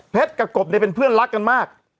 กับกบเนี่ยเป็นเพื่อนรักกันมาก